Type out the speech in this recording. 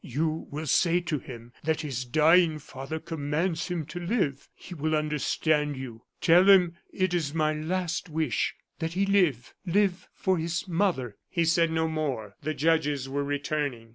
You will say to him that his dying father commands him to live; he will understand you. Tell him it is my last wish; that he live live for his mother!" He said no more; the judges were returning.